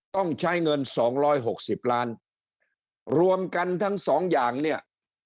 ต้องใช้เงินสองร้อยหกสิบล้านรวมกันทั้งสองอย่างเนี่ย